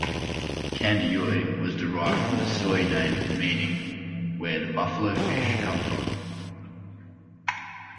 Kandiyohi was derived from a Sioux name meaning "where the buffalo fish come from".